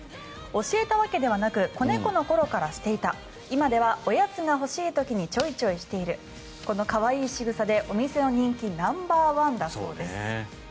教えたわけではなく子猫の頃からしていた今ではおやつが欲しい時にちょいちょいしているこの可愛いしぐさで、お店の人気ナンバーワンだそうです。